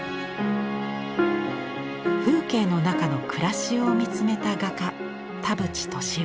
風景の中の暮らしを見つめた画家田渕俊夫。